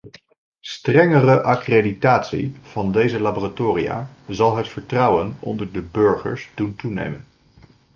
Strengere accreditatie van deze laboratoria zal het vertrouwen onder de burgers doen toenemen.